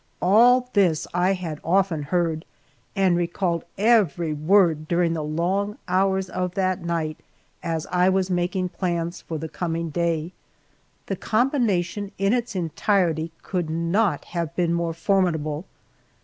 All this I had often heard, and recalled every word during the long hours of that night as I was making plans for the coming day. The combination in its entirety could not have been more formidable.